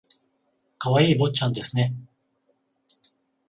可愛い坊ちゃんですね